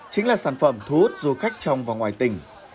chính là sản phẩm thu hút du khách trong và ngoài tỉnh